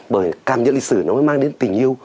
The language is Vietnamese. bởi cảm nhận lịch sử nó mới mang đến tình yêu